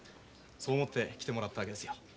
そう思って来てもらったわけですよ。